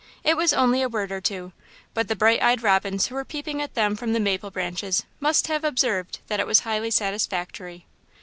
It was only a word or two, but the bright eyed robins who were peeping at them from the maple branches must have observed that it was highly satisfactory.